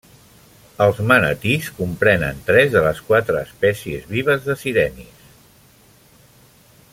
Els manatís comprenen tres de les quatre espècies vives de sirenis.